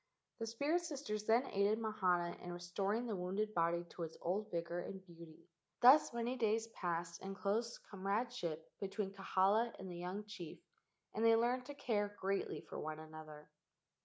The spirit sisters then aided Mahana in restor¬ ing the wounded body to its old vigor and beauty. Thus many days passed in close com¬ radeship between Kahala and the young chief, and they learned to care greatly for one another.